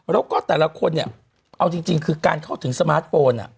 แล้วก็แต่ละคนเนี่ยเอาจริงคือการเข้าถึงสมาร์ทโฟน